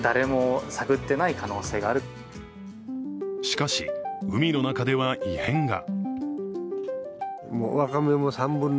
しかし、海の中では異変が。